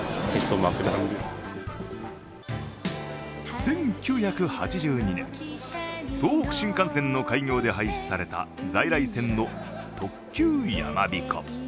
１９８２年、東北新幹線の開業で廃止された在来線の特急やまびこ。